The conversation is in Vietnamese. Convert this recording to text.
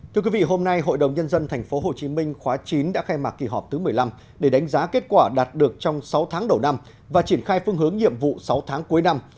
thưa quý vị hôm nay hội đồng nhân dân tp hcm khóa chín đã khai mạc kỳ họp thứ một mươi năm để đánh giá kết quả đạt được trong sáu tháng đầu năm và triển khai phương hướng nhiệm vụ sáu tháng cuối năm